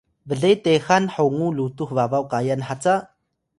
Yageh: ble texan hongu lutux babaw kayan haca?